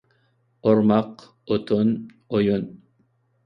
ئورماق، ئوتۇن، ئويۇن.